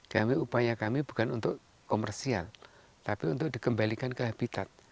kami upaya kami bukan untuk komersial tapi untuk dikembalikan ke habitat